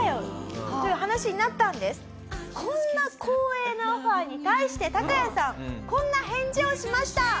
こんな光栄なオファーに対してタカヤさんこんな返事をしました。